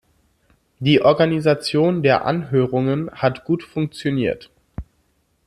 Die Organisation der Anhörungen hat gut funktioniert.